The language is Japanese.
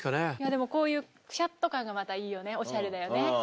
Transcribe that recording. でもこういうくしゃっと感がまたいいよねおしゃれだよね。